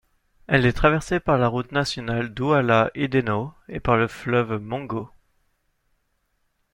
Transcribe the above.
Elle est traversée par la route nationale Douala-Idenau et par le fleuve Mungo.